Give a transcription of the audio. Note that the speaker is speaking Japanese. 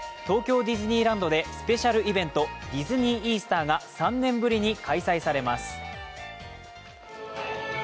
東京ディズニーランドでスペシャルイベント、ディズニー・イースターが３年ぶりに開催されます。